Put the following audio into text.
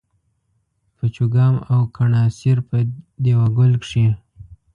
په چوګام او کڼاسېر په دېوه ګل کښي